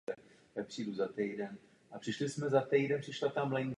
Mamikonyan řadí takto popsané události do sedmého století.